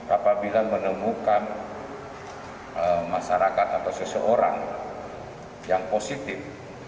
apabila menemukan masyarakat atau seseorang yang positif